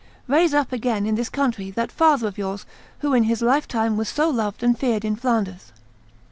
Raise up again in this country that father of yours who, in his lifetime, was so loved and feared in Flanders."